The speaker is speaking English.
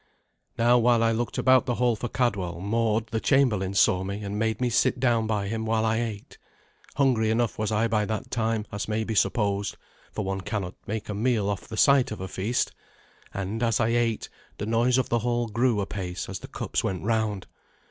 Now while I looked about the hall for Cadwal, Mord the chamberlain saw me, and made me sit down by him while I ate. Hungry enough was I by that time, as may be supposed, for one cannot make a meal off the sight of a feast; and as I ate, the noise of the hall grew apace as the cups went round.